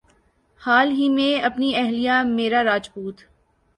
حال ہی میں اپنی اہلیہ میرا راجپوت